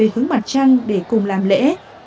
họ quay về hướng mặt trăng để cùng làm lễ